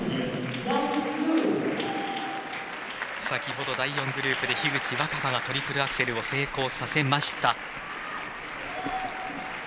先ほど第４グループで樋口新葉がトリプルアクセルを成功させました。